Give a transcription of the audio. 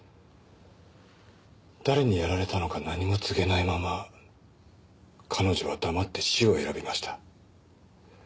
誰にやられたのか何も告げないまま彼女は黙って死を選びました。